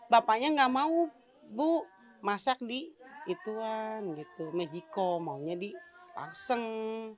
bapaknya tidak mau masak di mejikom maunya di paseng